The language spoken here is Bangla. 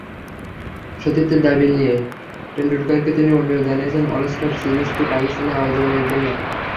সতীর্থের দাবি নিয়েই টেন্ডুলকারকে তিনি অনুরোধ জানিয়েছেন অলস্টার সিরিজটি পাকিস্তানে আয়োজনের জন্য।